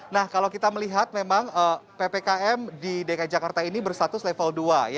nah kalau kita melihat memang ppkm di dki jakarta ini berstatus level dua